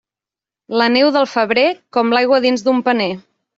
La neu del febrer, com l'aigua dins d'un paner.